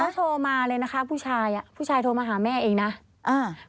เขาโทรมาเลยนะคะผู้ชายอ่ะผู้ชายโทรมาหาแม่เองนะอ่า